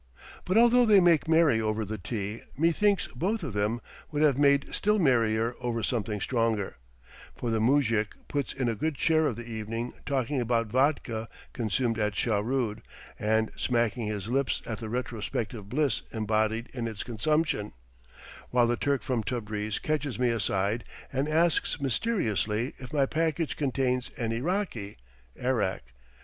But although they make merry over the tea, methinks both of them would have made still merrier over something stronger, for the moujik puts in a good share of the evening talking about vodka consumed at Shahrood, and smacking his lips at the retrospective bliss embodied in its consumption; while the Turk from Tabreez catches me aside and asks mysteriously if my packages contain any "raki" (arrack).